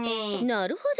なるほど。